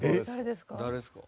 誰ですか？